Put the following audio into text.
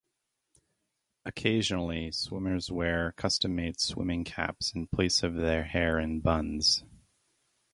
Occasionally, swimmers wear custom-made swimming caps in place of their hair in buns.